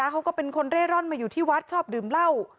เขาก็เป็นคนเร่ร่อนมาอยู่ที่วัดชอบดื่มเหล้า